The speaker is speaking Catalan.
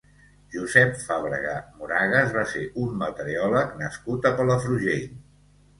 Josep Fàbrega Moragas va ser un meteoròleg nascut a Palafrugell.